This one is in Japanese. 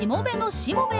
しもべえ！